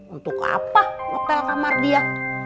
untuk apa hotel kamar dia